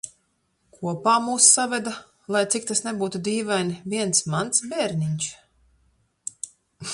Kopā mūs saveda, lai cik tas nebūtu dīvaini, viens mans bērniņš.